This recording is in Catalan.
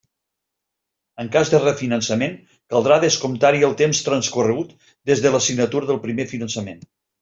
En cas de refinançament, caldrà descomptar-hi el temps transcorregut des de la signatura del primer finançament.